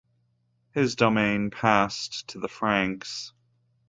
His domain passed to the Franks.